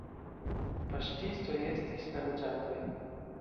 Paŝtistoj estis la loĝantoj.